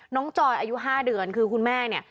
น้องจอยอายุห้าเดือนคือคุณแม่เนี่ย